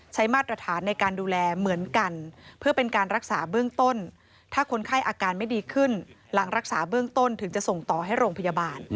มาตรฐานในการดูแลเหมือนกันเพื่อเป็นการรักษาเบื้องต้นถ้าคนไข้อาการไม่ดีขึ้นหลังรักษาเบื้องต้นถึงจะส่งต่อให้โรงพยาบาล